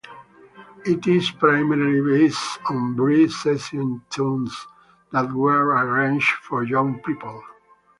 It is primarily based on Bree session tunes that were arranged for young people.